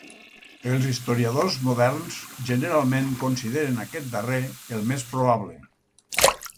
Els historiadors moderns generalment consideren aquest darrer el més probable.